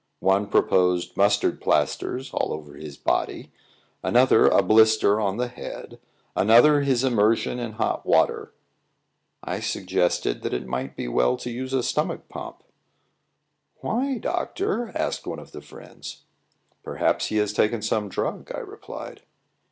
One proposed mustard plasters all over his body; another a blister on the head; another his immersion in hot water. I suggested that it might be well to use a stomach pump. "Why, doctor?" asked one of the friends. "Perhaps he has taken some drug," I replied.